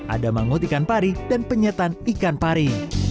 ada mangut ikan pari dan penyetan ikan pari